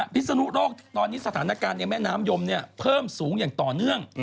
พิศนุโลกตอนนี้สถานการณ์ในแม่น้ำยมเพิ่มสูงอย่างต่อเนื่อง